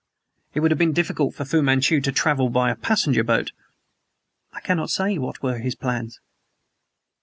"It would have been difficult for Fu Manchu to travel by a passenger boat?" "I cannot say what were his plans."